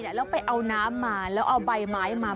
แล้วไปเอาน้ำมาแล้วเอาใบไม้มา